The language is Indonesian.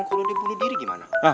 pada saat dia ngilang itu masalahnya man